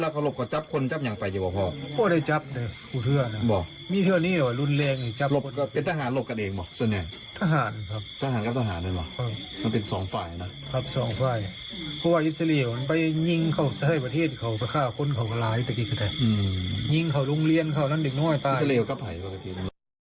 พ่อบอกสร้างวลิตรได้ไหม